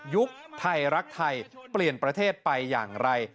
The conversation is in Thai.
ไทยรักไทยเปลี่ยนประเทศไปอย่างไร